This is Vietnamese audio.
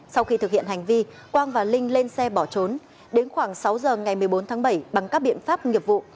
sau khi thực hiện hành vi quang và linh lên xe bỏ trốn đến khoảng sáu giờ ngày một mươi bốn tháng bảy bằng các biện pháp nghiệp vụ